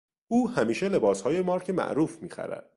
او همیشه لباسهای مارک معروف میخرد.